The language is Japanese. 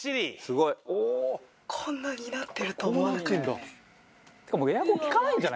こんなになってるとは思わなかったです。